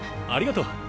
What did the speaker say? ありがとう。